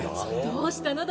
どうしたの！？